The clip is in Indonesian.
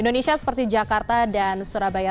indonesia seperti jakarta dan surabaya